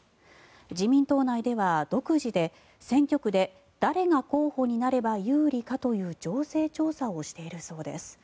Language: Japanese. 自民党内では独自で選挙区で誰が候補になれば有利かという情勢調査をしているそうです。